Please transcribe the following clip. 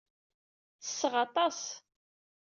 Tesseɣ aṭas.